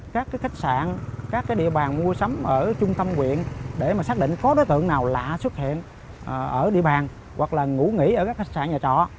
các khách sạn các địa bàn mua sắm ở trung tâm quyện để mà xác định có đối tượng nào lạ xuất hiện ở địa bàn hoặc là ngủ nghỉ ở các khách sạn nhà trọ